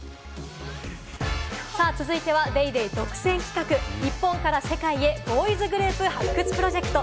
続いては『ＤａｙＤａｙ．』独占企画、日本から世界へボーイズグループ発掘プロジェクト。